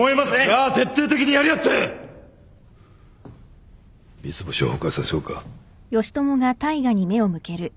じゃあ徹底的にやり合って三ツ星を崩壊させようか。